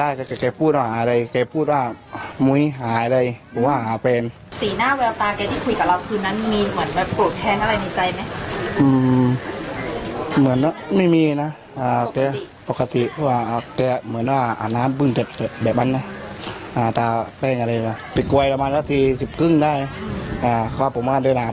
อะไรพูดว่าม